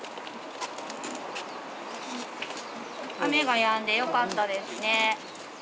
雨がやんでよかったですね。